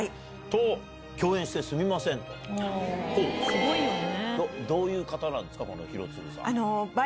すごいよね。